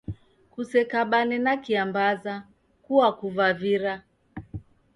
Kusekabane na kiambaza, kuakuvavira